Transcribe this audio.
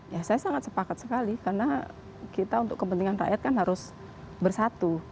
ya saya sangat sepakat sekali karena kita untuk kepentingan rakyat kan harus bersatu